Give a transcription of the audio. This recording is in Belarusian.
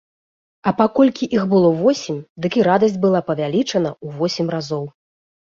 А паколькі іх было восем, дык і радасць была павялічана ў восем разоў.